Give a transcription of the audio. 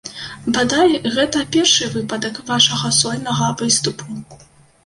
Бадай, гэта першы выпадак вашага сольнага выступу.